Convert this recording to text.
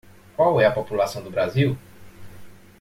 Qual é a população do Brasil?